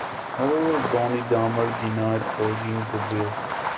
However, Bonnie Dummar denied forging the will.